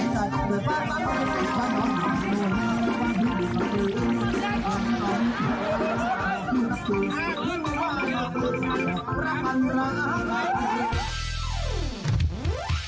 แหมหนุ่มถูกใจใช่ไหม